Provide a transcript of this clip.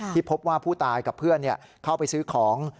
พบว่าผู้ตายกับเพื่อนเข้าไปซื้อของ